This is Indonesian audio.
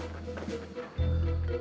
tidak ada korepot